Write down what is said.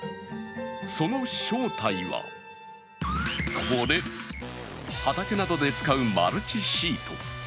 その正体はこれ、畑などで使うマルチシート。